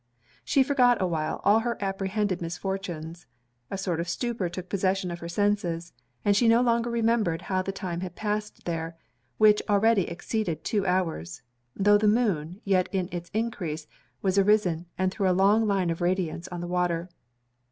She forgot awhile all her apprehended misfortunes, a sort of stupor took possession of her senses, and she no longer remembered how the time had passed there, which already exceeded two hours; though the moon, yet in its encrease, was arisen, and threw a long line of radience on the water.